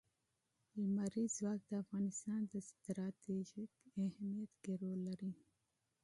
لمریز ځواک د افغانستان په ستراتیژیک اهمیت کې رول لري.